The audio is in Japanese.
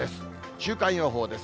週間予報です。